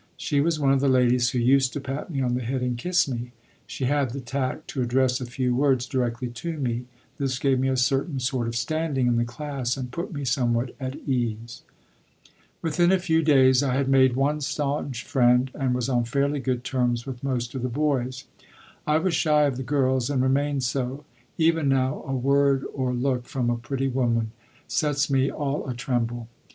She was one of the ladies who used to pat me on the head and kiss me. She had the tact to address a few words directly to me; this gave me a certain sort of standing in the class and put me somewhat at ease. Within a few days I had made one staunch friend and was on fairly good terms with most of the boys. I was shy of the girls, and remained so; even now a word or look from a pretty woman sets me all a tremble.